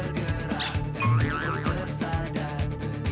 kamu tuh setiap dibangun ya ntar ntar ntar